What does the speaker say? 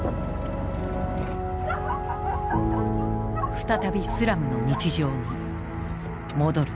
再びスラムの日常に戻る。